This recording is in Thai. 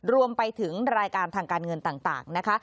รวมไปถึงรายการทางการเงินต่างนะคะ